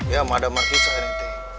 ya madem artis saya nih teh